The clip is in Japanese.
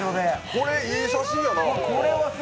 これいい写真やな。